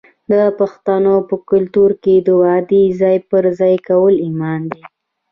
د پښتنو په کلتور کې د وعدې ځای پر ځای کول ایمان دی.